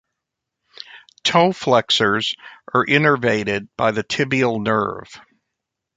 Toe flexors are innervated by the tibial nerve.